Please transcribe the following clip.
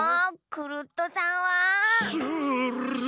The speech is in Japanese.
クルットさんは！